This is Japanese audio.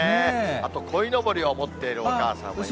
あとこいのぼりを持っているお母さんもいました。